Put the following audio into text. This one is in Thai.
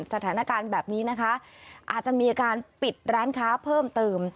สถานการณ์แบบนี้นะคะอาจจะมีการปิดร้านค้าเพิ่มเติม